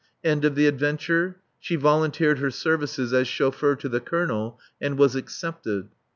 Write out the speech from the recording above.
End of the adventure she volunteered her services as chauffeur to the Colonel and was accepted.